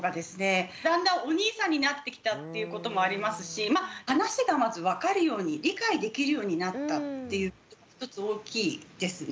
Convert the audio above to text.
だんだんお兄さんになってきたっていうこともありますし話がまず分かるように理解できるようになったって１つ大きいですね。